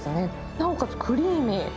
なおかつクリーミー。